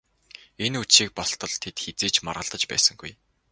Энэ үдшийг болтол тэд хэзээ ч маргалдаж байсангүй.